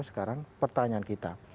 sekarang pertanyaan kita